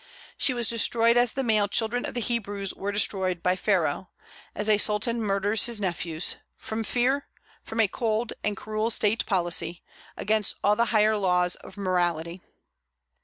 She was destroyed as the male children of the Hebrews were destroyed by Pharaoh, as a sultan murders his nephews, from fear; from a cold and cruel state policy, against all the higher laws of morality.